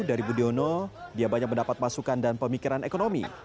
dari budiono dia banyak mendapat masukan dan pemikiran ekonomi